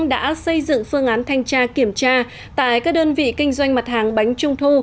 đã xây dựng phương án thanh tra kiểm tra tại các đơn vị kinh doanh mặt hàng bánh trung thu